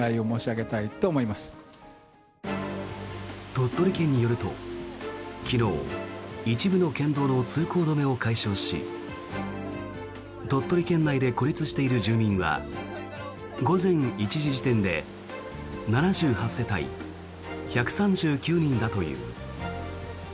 鳥取県によると、昨日一部の県道の通行止めを解消し鳥取県内で孤立している住民は午前１時点で７８世帯１３９人だという。